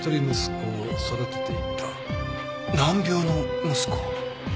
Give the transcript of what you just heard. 難病の息子。